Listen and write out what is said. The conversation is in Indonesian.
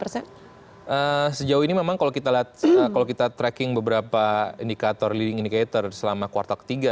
sejauh ini memang kalau kita tracking beberapa indikator leading indicator selama kuartal ketiga